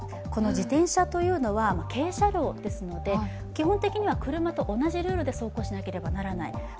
自転車は軽車両ですので、基本的には車と同じルールで走行しなければならない。